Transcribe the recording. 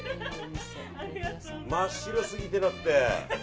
真っ白すぎてだって。